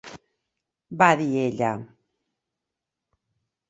va dir ella.